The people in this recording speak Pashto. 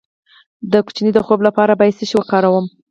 د ماشوم د خوب لپاره باید څه شی وکاروم؟